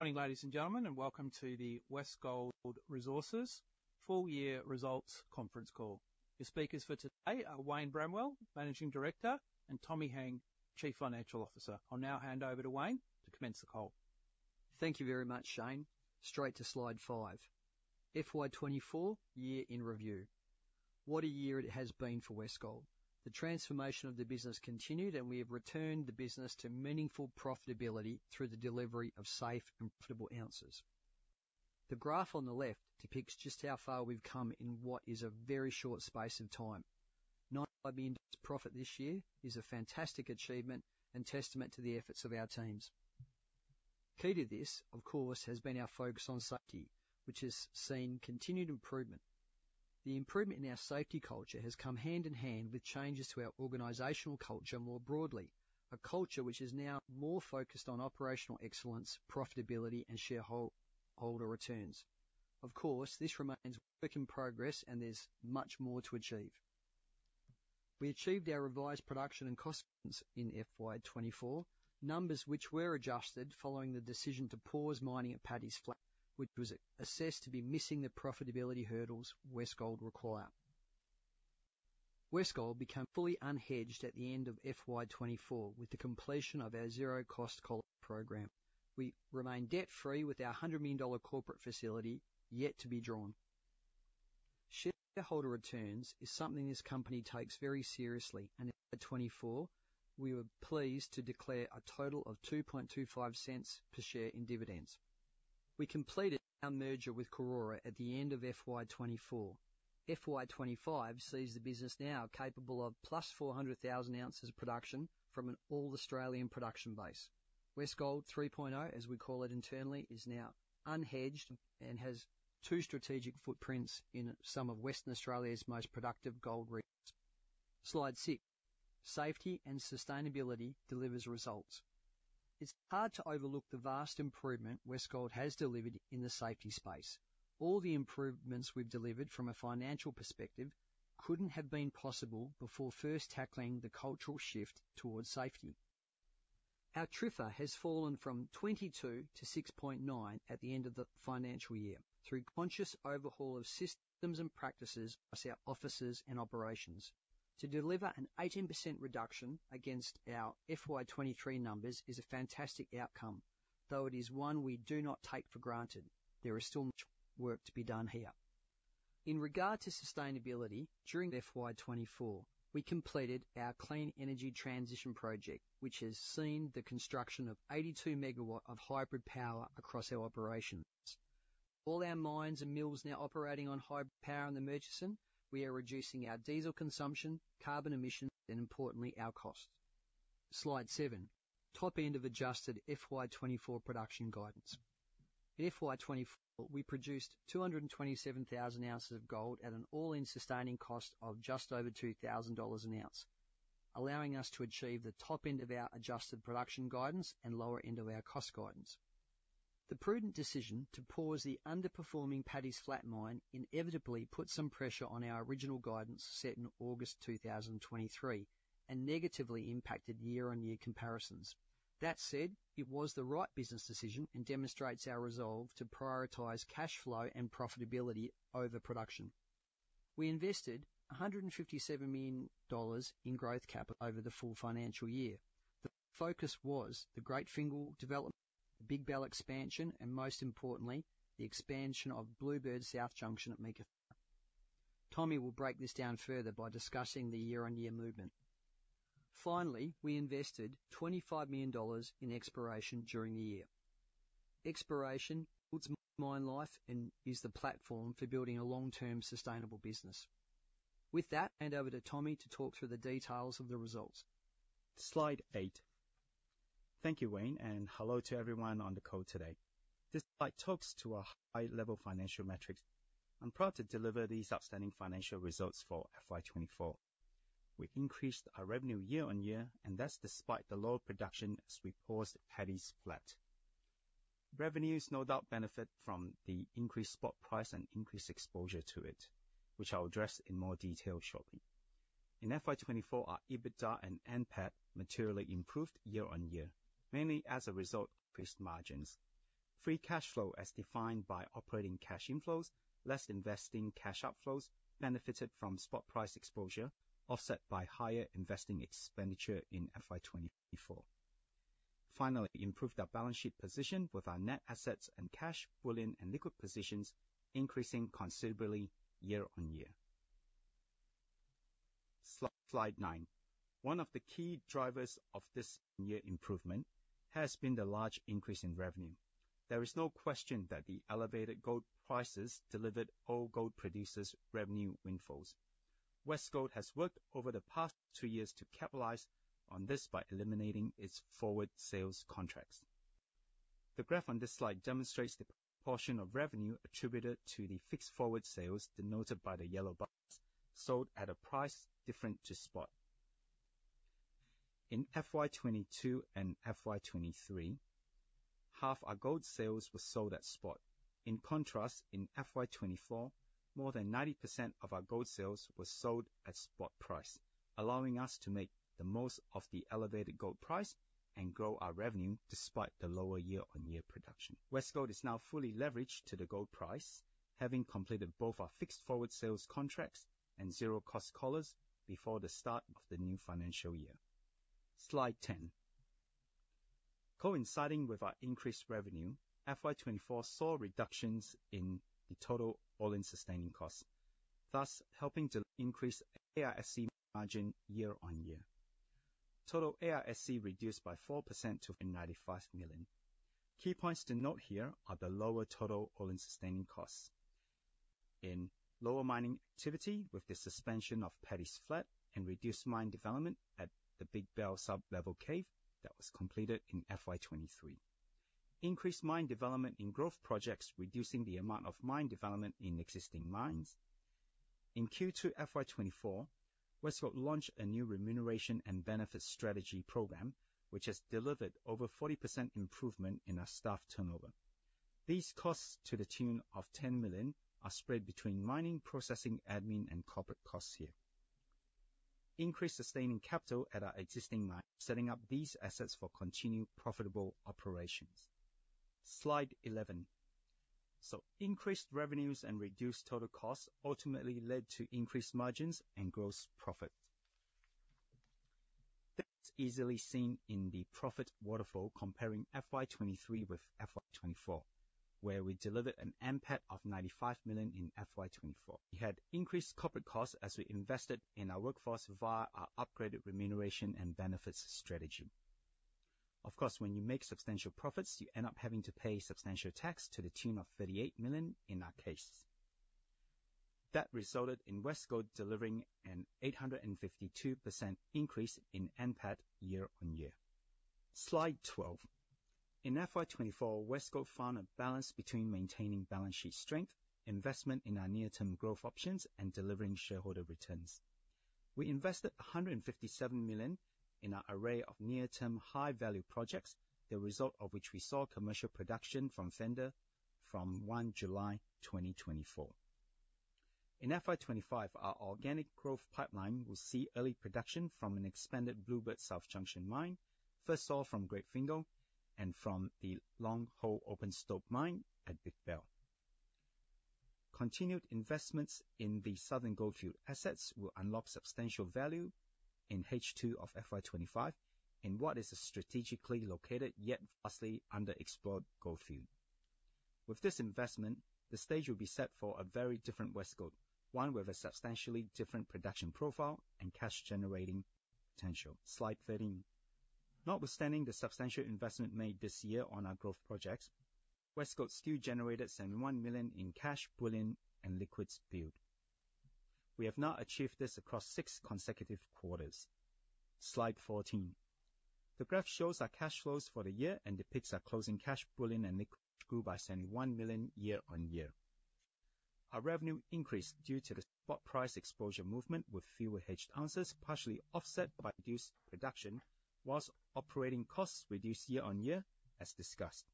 Morning, ladies and gentlemen, and welcome to the Westgold Resources full year results conference call. Your speakers for today are Wayne Bramwell, Managing Director, and Tommy Heng, Chief Financial Officer. I'll now hand over to Wayne to commence the call. Thank you very much, Shane. Straight to slide five. FY 24, year in review. What a year it has been for Westgold! The transformation of the business continued, and we have returned the business to meaningful profitability through the delivery of safe and profitable ounces. The graph on the left depicts just how far we've come in what is a very short space of time. 9 million dollars profit this year is a fantastic achievement and testament to the efforts of our teams. Key to this, of course, has been our focus on safety, which has seen continued improvement. The improvement in our safety culture has come hand in hand with changes to our organizational culture more broadly, a culture which is now more focused on operational excellence, profitability, and shareholder returns. Of course, this remains work in progress and there's much more to achieve. We achieved our revised production and cost in FY 2024, numbers which were adjusted following the decision to pause mining at Paddy's Flat, which was assessed to be missing the profitability hurdles Westgold require. Westgold became fully unhedged at the end of FY 2024, with the completion of our zero cost collar program. We remain debt-free with our 100 million dollar corporate facility yet to be drawn. Shareholder returns is something this company takes very seriously, and in 2024, we were pleased to declare a total of 0.0225 per share in dividends. We completed our merger with Karora at the end of FY 2024. FY 2025 sees the business now capable of plus 400,000 ounces of production from an all Australian production base. Westgold 3.0, as we call it internally, is now unhedged and has two strategic footprints in some of Western Australia's most productive goldfields. Slide 6. Safety and sustainability delivers results. It's hard to overlook the vast improvement Westgold has delivered in the safety space. All the improvements we've delivered from a financial perspective couldn't have been possible before first tackling the cultural shift towards safety. Our TRIFR has fallen from 22 to 6.9 at the end of the financial year, through conscious overhaul of systems and practices across our offices and operations. To deliver an 18% reduction against our FY 2023 numbers is a fantastic outcome, though it is one we do not take for granted. There is still much work to be done here. In regard to sustainability, during FY 2024, we completed our clean energy transition project, which has seen the construction of 82 MW of hybrid power across our operations. All our mines and mills are now operating on hybrid power in the Murchison. We are reducing our diesel consumption, carbon emissions, and importantly, our costs. Slide seven, top end of adjusted FY 2024 production guidance. In FY 2024, we produced 227,000 ounces of gold at an all-in sustaining cost of just over 2,000 dollars an ounce, allowing us to achieve the top end of our adjusted production guidance and lower end of our cost guidance. The prudent decision to pause the underperforming Paddy's Flat Mine inevitably put some pressure on our original guidance, set in August 2023, and negatively impacted year-on-year comparisons. That said, it was the right business decision and demonstrates our resolve to prioritize cash flow and profitability over production. We invested 157 million dollars in growth capital over the full financial year. The focus was the Great Fingall development, the Big Bell expansion, and most importantly, the expansion of Bluebird South Junction at Meekatharra. Tommy will break this down further by discussing the year-on-year movement. Finally, we invested 25 million dollars in exploration during the year. Exploration builds mine life and is the platform for building a long-term, sustainable business. With that, hand over to Tommy to talk through the details of the results. Slide eight. Thank you, Wayne, and hello to everyone on the call today. This slide talks to our high-level financial metrics. I'm proud to deliver these outstanding financial results for FY 24. We increased our revenue year-on-year, and that's despite the lower production as we paused Paddy's Flat. Revenues no doubt benefit from the increased spot price and increased exposure to it, which I'll address in more detail shortly. In FY 24, our EBITDA and NPAT materially improved year-on-year, mainly as a result of increased margins. Free cash flow, as defined by operating cash inflows, less investing cash outflows benefited from spot price exposure, offset by higher investing expenditure in FY 24. Finally, we improved our balance sheet position with our net assets and cash full in and liquid positions increasing considerably year on year. Slide nine. One of the key drivers of this year improvement has been the large increase in revenue. There is no question that the elevated gold prices delivered all gold producers revenue windfalls. Westgold has worked over the past two years to capitalize on this by eliminating its forward sales contracts. The graph on this slide demonstrates the proportion of revenue attributed to the fixed forward sales, denoted by the yellow box, sold at a price different to spot. In FY 2022 and FY 2023, half our gold sales were sold at spot.... In contrast, in FY 2024, more than 90% of our gold sales were sold at spot price, allowing us to make the most of the elevated gold price and grow our revenue despite the lower year-on-year production. Westgold is now fully leveraged to the gold price, having completed both our fixed forward sales contracts and zero cost collars before the start of the new financial year. Slide 10. Coinciding with our increased revenue, FY 2024 saw reductions in the total all-in sustaining costs, thus helping to increase AISC margin year on year. Total AISC reduced by 4% to 95 million. Key points to note here are the lower total all-in sustaining costs in lower mining activity, with the suspension of Paddy's Flat and reduced mine development at the Big Bell Sub-Level Cave that was completed in FY 2023. Increased mine development in growth projects, reducing the amount of mine development in existing mines. In Q2 FY 2024, Westgold launched a new remuneration and benefits strategy program, which has delivered over 40% improvement in our staff turnover. These costs, to the tune of 10 million, are spread between mining, processing, admin, and corporate costs here. Increased sustaining capital at our existing mine, setting up these assets for continued profitable operations. Slide eleven. So increased revenues and reduced total costs ultimately led to increased margins and gross profit. That's easily seen in the profit waterfall, comparing FY 2023 with FY 2024, where we delivered an NPAT of 95 million in FY 2024. We had increased corporate costs as we invested in our workforce via our upgraded remuneration and benefits strategy. Of course, when you make substantial profits, you end up having to pay substantial tax to the tune of 38 million in our case. That resulted in Westgold delivering an 852% increase in NPAT year on year. Slide twelve. In FY 2024, Westgold found a balance between maintaining balance sheet strength, investment in our near-term growth options, and delivering shareholder returns. We invested 157 million in our array of near-term, high-value projects, the result of which we saw commercial production from Fender from 1 July 2024. In FY 2025, our organic growth pipeline will see early production from an expanded Bluebird South Junction mine, first ore from Great Fingall and from the Long Hole open stope mine at Big Bell. Continued investments in the Southern Goldfields assets will unlock substantial value in H2 of FY 2025 in what is a strategically located yet vastly underexplored goldfield. With this investment, the stage will be set for a very different Westgold, one with a substantially different production profile and cash-generating potential. Slide 13. Notwithstanding the substantial investment made this year on our growth projects, Westgold still generated 71 million in cash, bullion, and liquidity built. We have now achieved this across six consecutive quarters. Slide 14. The graph shows our cash flows for the year and depicts our closing cash, bullion, and liquidity grew by 71 million year-on-year. Our revenue increased due to the spot price exposure movement, with fewer hedged ounces partially offset by reduced production, while operating costs reduced year-on-year, as discussed.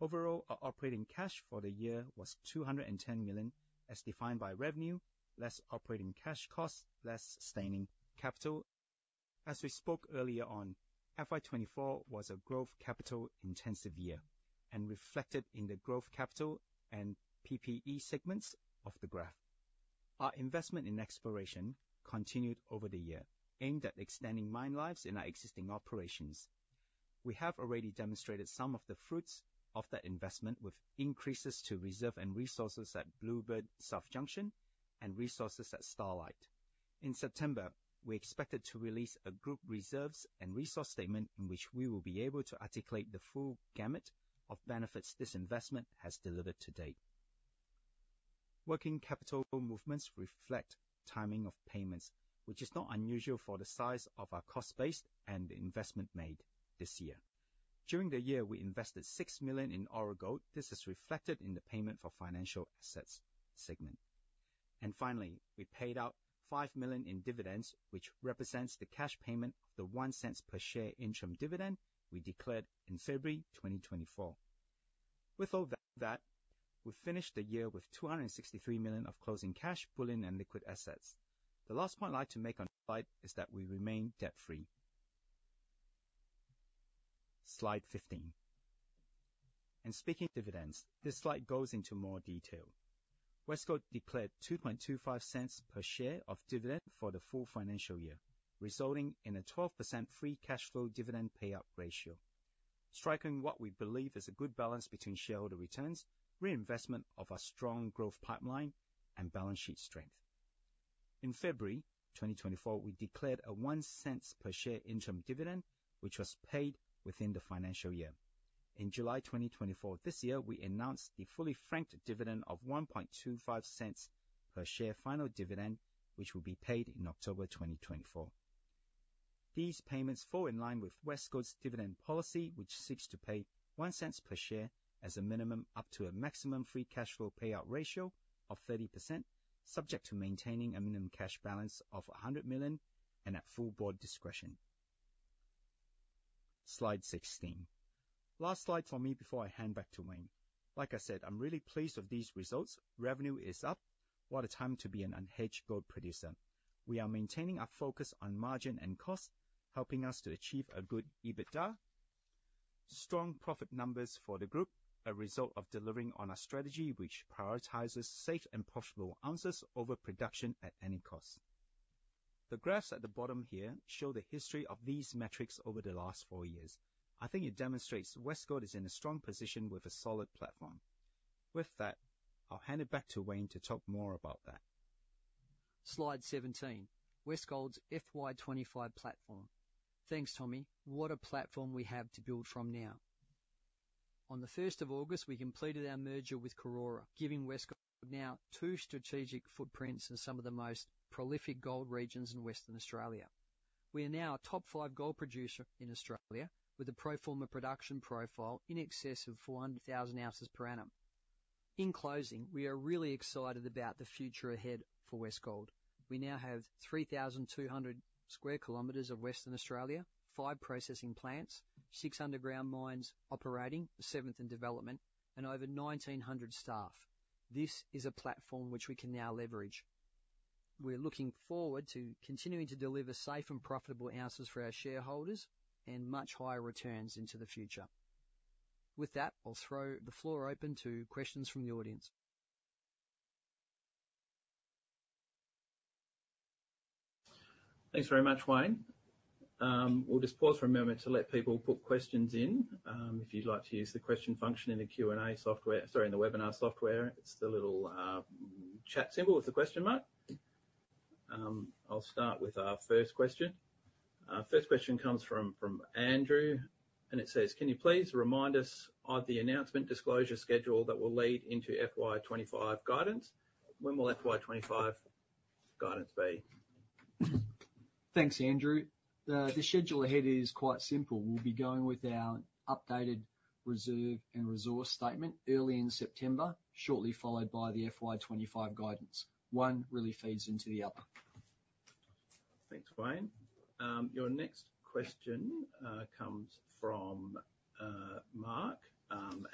Overall, our operating cash for the year was 210 million, as defined by revenue, less operating cash costs, less sustaining capital. As we spoke earlier on, FY 2024 was a growth capital-intensive year and reflected in the growth capital and PPE segments of the graph. Our investment in exploration continued over the year, aimed at extending mine lives in our existing operations. We have already demonstrated some of the fruits of that investment, with increases to reserve and resources at Bluebird South Junction and resources at Starlight. In September, we expected to release a group reserves and resource statement, in which we will be able to articulate the full gamut of benefits this investment has delivered to date. Working capital movements reflect timing of payments, which is not unusual for the size of our cost base and the investment made this year. During the year, we invested 6 million in Ora Gold. This is reflected in the payment for financial assets segment. Finally, we paid out 5 million in dividends, which represents the cash payment of the 0.01 per share interim dividend we declared in February 2024. With all that, we finished the year with 263 million of closing cash, bullion, and liquid assets. The last point I'd like to make on this slide is that we remain debt-free. Slide 15. And speaking of dividends, this slide goes into more detail. Westgold declared 0.0225 per share of dividend for the full financial year, resulting in a 12% free cash flow dividend payout ratio. Striking what we believe is a good balance between shareholder returns, reinvestment of our strong growth pipeline, and balance sheet strength. In February 2024, we declared a 0.01 per share interim dividend, which was paid within the financial year. In July twenty twenty-four, this year, we announced the fully franked dividend of 0.0125 per share final dividend, which will be paid in October twenty twenty-four. These payments fall in line with Westgold's dividend policy, which seeks to pay 0.01 per share as a minimum, up to a maximum free cash flow payout ratio of 30%, subject to maintaining a minimum cash balance of 100 million and at full board discretion. Slide 16. Last slide for me before I hand back to Wayne. Like I said, I'm really pleased with these results. Revenue is up. What a time to be an unhedged gold producer. We are maintaining our focus on margin and cost, helping us to achieve a good EBITDA, strong profit numbers for the group, a result of delivering on our strategy, which prioritizes safe and profitable ounces over production at any cost. The graphs at the bottom here show the history of these metrics over the last four years. I think it demonstrates Westgold is in a strong position with a solid platform. With that, I'll hand it back to Wayne to talk more about that. Slide 17: Westgold's FY 25 platform. Thanks, Tommy. What a platform we have to build from now. On the first of August, we completed our merger with Karora, giving Westgold now two strategic footprints in some of the most prolific gold regions in Western Australia. We are now a top five gold producer in Australia, with a pro forma production profile in excess of 400,000 ounces per annum. In closing, we are really excited about the future ahead for Westgold. We now have 3,200 sq km of Western Australia, five processing plants, six underground mines operating, a seventh in development, and over 1,900 staff. This is a platform which we can now leverage. We're looking forward to continuing to deliver safe and profitable ounces for our shareholders and much higher returns into the future. With that, I'll throw the floor open to questions from the audience. Thanks very much, Wayne. We'll just pause for a moment to let people put questions in. If you'd like to use the question function in the Q&A software, sorry, in the webinar software, it's the little chat symbol with the question mark. I'll start with our first question. Our first question comes from Andrew, and it says, "Can you please remind us of the announcement disclosure schedule that will lead into FY 25 guidance? When will FY 25 guidance be? Thanks, Andrew. The schedule ahead is quite simple. We'll be going with our updated reserve and resource statement early in September, shortly followed by the FY 2025 guidance. One really feeds into the other. Thanks, Wayne. Your next question comes from Mark,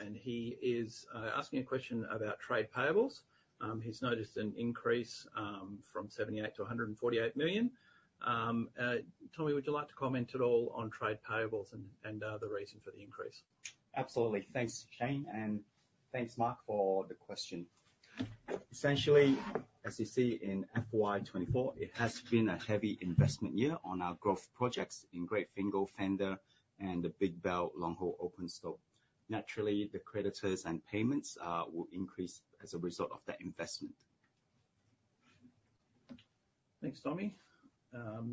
and he is asking a question about trade payables. He's noticed an increase from 78 million - 148 million. Tommy, would you like to comment at all on trade payables and the reason for the increase? Absolutely. Thanks, Shane, and thanks, Mark, for the question. Essentially, as you see in FY 2024, it has been a heavy investment year on our growth projects in Great Fingall, Fender, and the Big Bell long hole open stope. Naturally, the capex and payments will increase as a result of that investment. Thanks, Tommy. I'll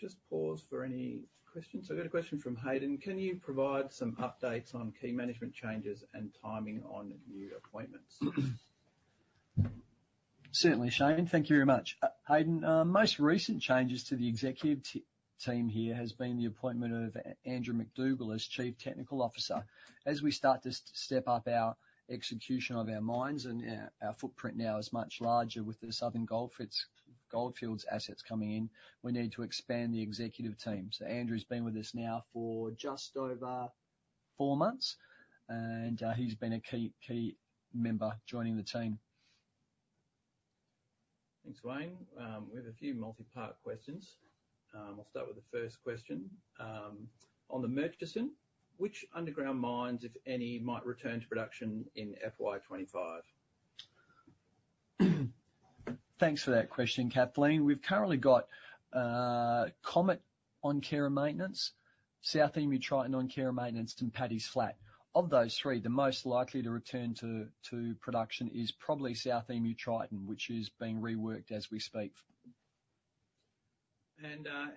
just pause for any questions. I've got a question from Hayden: Can you provide some updates on key management changes and timing on new appointments? Certainly, Shane, thank you very much. Hayden, most recent changes to the executive team here has been the appointment of Andrew McDougall as Chief Technical Officer. As we start to step up our execution of our mines and our footprint now is much larger with the Southern Goldfields assets coming in, we need to expand the executive team. So Andrew's been with us now for just over four months, and he's been a key member joining the team. Thanks, Wayne. We have a few multi-part questions. I'll start with the first question. On the Murchison, which underground mines, if any, might return to production in FY 25? Thanks for that question, Kathleen. We've currently got Comet on care and maintenance, South Emu Triton on care and maintenance, and Paddy's Flat. Of those three, the most likely to return to production is probably South Emu Triton, which is being reworked as we speak.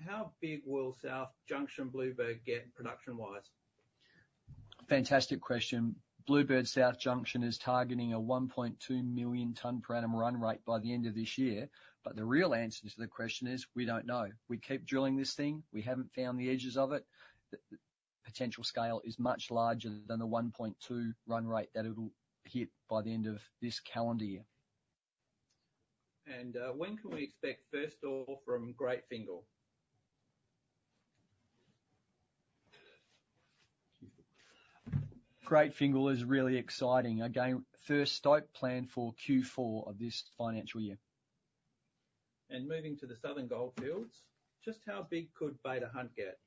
How big will Bluebird South Junction get production-wise? Fantastic question. Bluebird South Junction is targeting a 1.2 million ton per annum run rate by the end of this year. But the real answer to the question is, we don't know. We keep drilling this thing. We haven't found the edges of it. The potential scale is much larger than the 1.2 run rate that it'll hit by the end of this calendar year. When can we expect first ore from Great Fingall? Great Fingall is really exciting. Again, first stope planned for Q4 of this financial year. Moving to the Southern Goldfields, just how big could Beta Hunt get?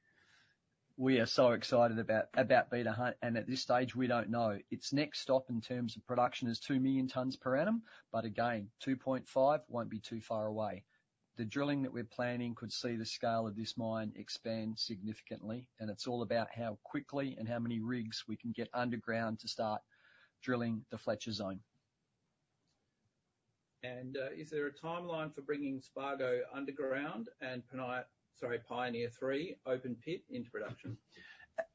We are so excited about Beta Hunt, and at this stage, we don't know. Its next stop in terms of production is two million tons per annum, but again, two point five won't be too far away. The drilling that we're planning could see the scale of this mine expand significantly, and it's all about how quickly and how many rigs we can get underground to start drilling the Fletcher Zone. Is there a timeline for bringing Spargo underground and Pioneer 3 open pit into production?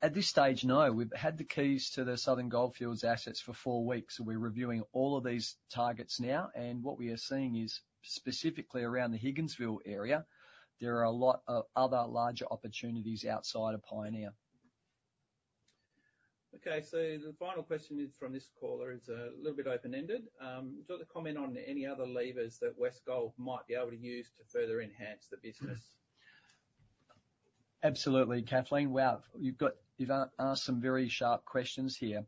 At this stage, no. We've had the keys to the Southern Goldfields assets for four weeks, so we're reviewing all of these targets now, and what we are seeing is, specifically around the Higginsville area, there are a lot of other larger opportunities outside of Pioneer.... Okay, so the final question is from this caller. It's a little bit open-ended. Do you want to comment on any other levers that Westgold might be able to use to further enhance the business? Absolutely, Kathleen. Well, you've asked some very sharp questions here.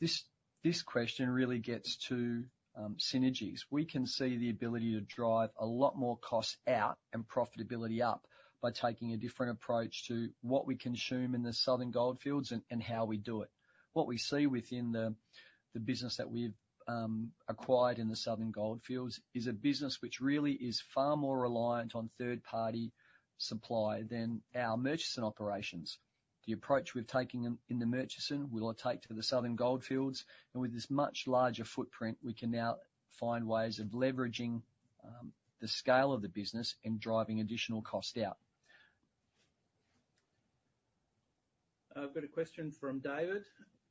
This question really gets to synergies. We can see the ability to drive a lot more costs out and profitability up by taking a different approach to what we consume in the Southern Goldfields and how we do it. What we see within the business that we've acquired in the Southern Goldfields is a business which really is far more reliant on third-party supply than our Murchison operations. The approach we're taking in the Murchison, we'll take to the Southern Goldfields, and with this much larger footprint, we can now find ways of leveraging the scale of the business and driving additional cost out. I've got a question from David,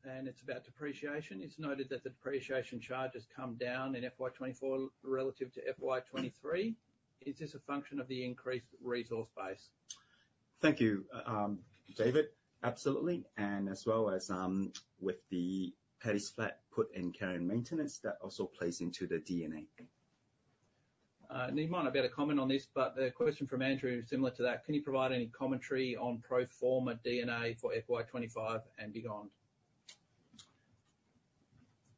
and it's about depreciation. It's noted that the depreciation charge has come down in FY 2024 relative to FY 2023. Is this a function of the increased resource base? Thank you, David. Absolutely, and as well as, with the Paddy's Flat put in care and maintenance, that also plays into the D&A. Niman, I've got a comment on this, but the question from Andrew is similar to that: Can you provide any commentary on pro forma EBITDA for FY 2025 and beyond?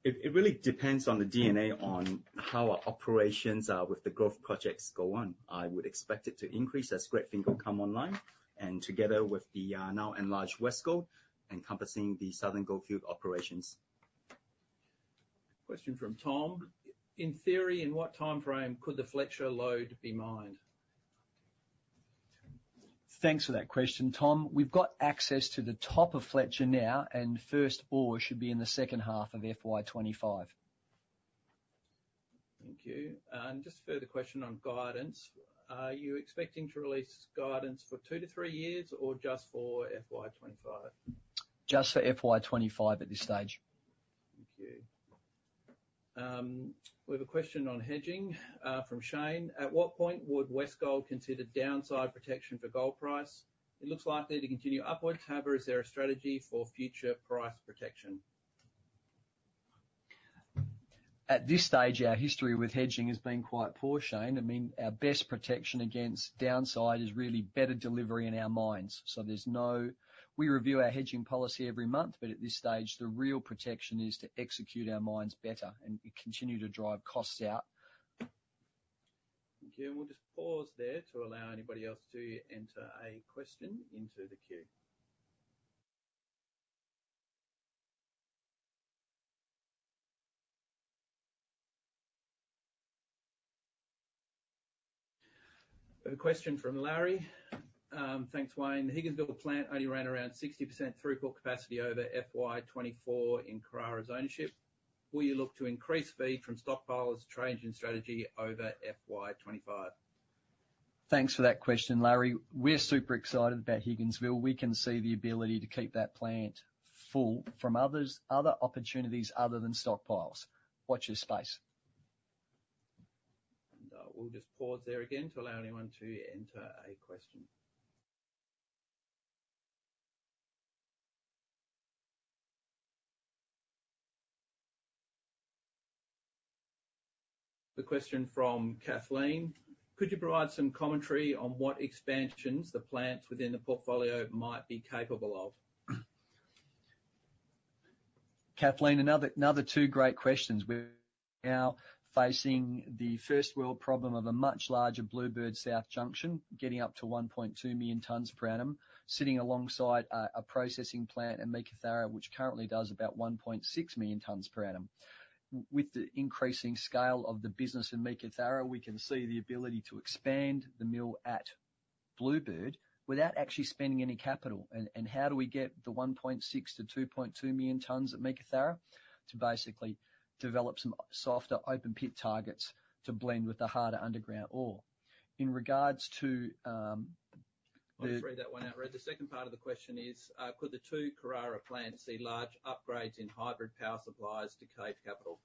It really depends on the D&A on how our operations with the growth projects go on. I would expect it to increase as Great Fingall come online, and together with the now enlarged Westgold, encompassing the Southern Goldfield operations. Question from Tom. In theory, in what timeframe could the Fletcher Lode be mined? Thanks for that question, Tom. We've got access to the top of Fletcher now, and first ore should be in the second half of FY 2025. Thank you. And just a further question on guidance. Are you expecting to release guidance for two to three years or just for FY 2025? Just for FY 2025 at this stage. Thank you. We have a question on hedging from Shane. At what point would Westgold consider downside protection for gold price? It looks likely to continue upwards. However, is there a strategy for future price protection? At this stage, our history with hedging has been quite poor, Shane. I mean, our best protection against downside is really better delivery in our mines. We review our hedging policy every month, but at this stage, the real protection is to execute our mines better and continue to drive costs out. Thank you. We'll just pause there to allow anybody else to enter a question into the queue. I have a question from Larry. Thanks, Wayne. The Higginsville plant only ran around 60% throughput capacity over FY 2024 in Karora's ownership. Will you look to increase feed from stockpiles to change in strategy over FY 2025? Thanks for that question, Larry. We're super excited about Higginsville. We can see the ability to keep that plant full from others, other opportunities other than stockpiles. Watch this space. And, we'll just pause there again to allow anyone to enter a question. The question from Kathleen: Could you provide some commentary on what expansions the plants within the portfolio might be capable of? Kathleen, another two great questions. We're now facing the first world problem of a much larger Bluebird South Junction, getting up to 1.2 million tons per annum, sitting alongside a processing plant in Meekatharra, which currently does about 1.6 million tons per annum. With the increasing scale of the business in Meekatharra, we can see the ability to expand the mill at Bluebird without actually spending any capital. And how do we get the 1.6 million tons - 2.2 million tons at Meekatharra? To basically develop some softer open pit targets to blend with the harder underground ore. In regards to the- I'll read that one out. The second part of the question is, could the two Karora plants see large upgrades in hybrid power supplies to save capital?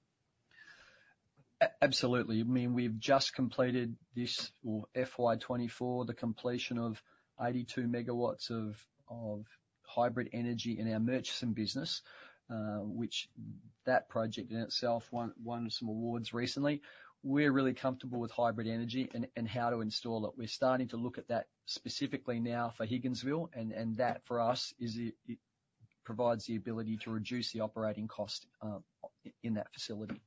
Absolutely. I mean, we've just completed this, well, FY 2024, the completion of 82 MW of hybrid energy in our Murchison business, which that project in itself won some awards recently. We're really comfortable with hybrid energy and how to install it. We're starting to look at that specifically now for Higginsville, and that, for us, is the it provides the ability to reduce the operating cost in that facility.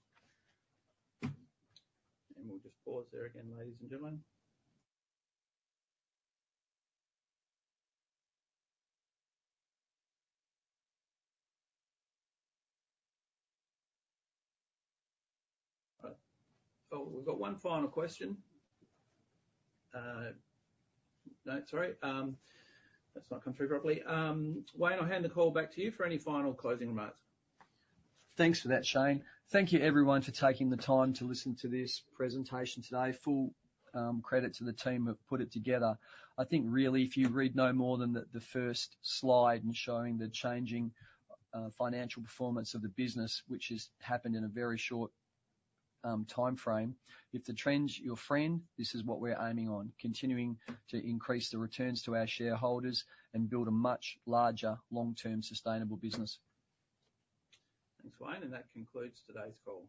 We'll just pause there again, ladies and gentlemen. We've got one final question. No, sorry, that's not come through properly. Wayne, I'll hand the call back to you for any final closing remarks. Thanks for that, Shane. Thank you, everyone, for taking the time to listen to this presentation today. Full credit to the team who have put it together. I think really, if you read no more than the first slide in showing the changing financial performance of the business, which has happened in a very short timeframe, if the trend's your friend, this is what we're aiming on continuing to increase the returns to our shareholders and build a much larger, long-term, sustainable business. Thanks, Wayne, and that concludes today's call.